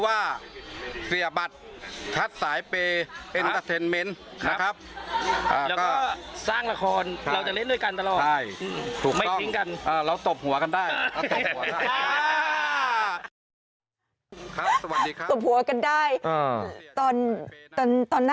ไม่์ทิ้งกัน